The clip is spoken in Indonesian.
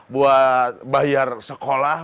buat bayar sekolah